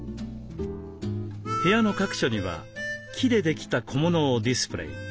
部屋の各所には木でできた小物をディスプレー。